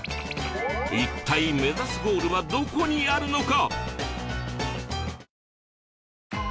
一体目指すゴールはどこにあるのか？